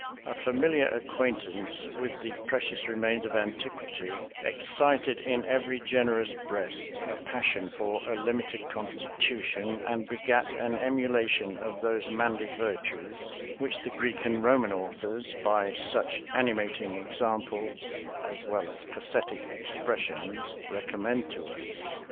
A familiar acquaintance with the precious remains of antiquity excited in every generous breast a passion for a limited constitution, and begat an emulation of those manly virtues which the Greek and Roman authors, by such animating examples, as well as pathetic expressions, recommend to us.